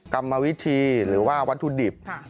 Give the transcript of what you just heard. กรรมวิธีหรือว่าวัตถุดิบ